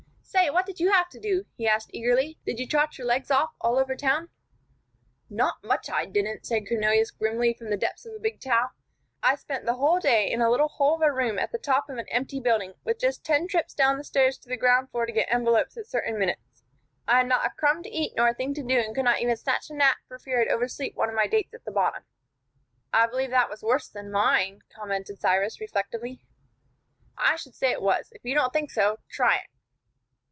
"Say, what did you have to do?" he asked, eagerly. "Did you trot your legs off all over town?" "Not much, I didn't!" said Cornelius, grimly, from the depths of a big towel. "I spent the whole day in a little hole of a room at the top of an empty building, with just ten trips down the stairs to the ground floor to get envelopes at certain minutes. I had not a crumb to eat nor a thing to do, and could not even snatch a nap for fear I'd oversleep one of my dates at the bottom." "I believe that was worse than mine," commented Cyrus, reflectively. "I should say it was. If you don't think so, try it."